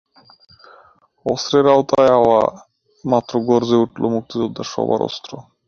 অস্ত্রের আওতায় আসা মাত্র গর্জে উঠল মুক্তিযোদ্ধা সবার অস্ত্র।